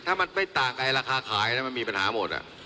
ถ้ามันไม่ต่างกับราคาขายมันมีปัญหาหมด